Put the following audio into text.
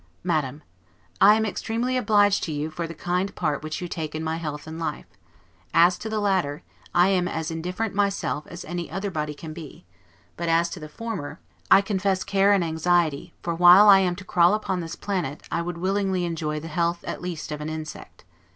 MADAM: I am extremely obliged to you for the kind part which you take in my health and life: as to the latter, I am as indifferent myself as any other body can be; but as to the former, I confess care and anxiety, for while I am to crawl upon this planet, I would willingly enjoy the health at least of an insect.